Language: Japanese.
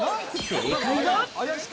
正解は。